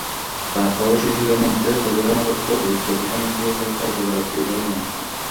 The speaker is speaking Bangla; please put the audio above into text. তার পরও শিশুদের মধ্যে দুর্ঘটনাবশত অতিরিক্ত ভিটামিন খেয়ে ফেলাটা একেবারে বিরল নয়।